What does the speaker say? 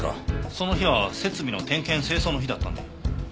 その日は設備の点検清掃の日だったんで。